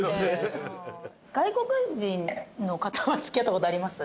外国人の方は付き合ったことあります？